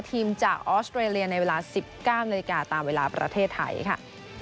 ทีมจากออสเตรเลียในเวลา๑๙นาฬิกาตามเวลาประเทศไทยค่ะ